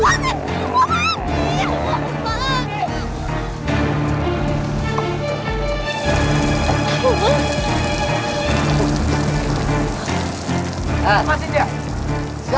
aaaaahhh lepasin bapak bapak